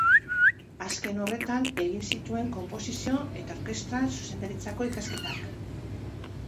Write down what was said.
Azken horretan egin zituen Konposizio eta Orkestra Zuzendaritzako ikasketak.